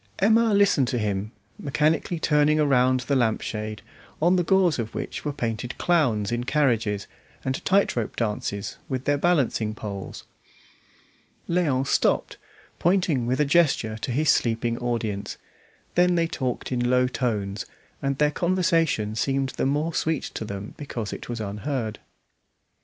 Emma listened to him, mechanically turning around the lampshade, on the gauze of which were painted clowns in carriages, and tight rope dances with their balancing poles. Léon stopped, pointing with a gesture to his sleeping audience; then they talked in low tones, and their conversation seemed the more sweet to them because it was unheard.